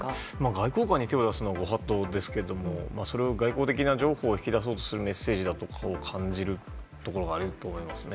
外交官に手を出すのはご法度ですが外交的譲歩を引き出そうとするメッセージだと感じるところがあると思います。